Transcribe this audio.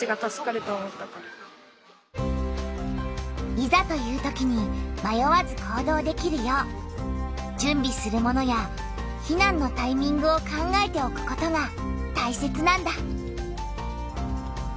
いざというときにまよわず行動できるよう準備するものや避難のタイミングを考えておくことがたいせつなんだ。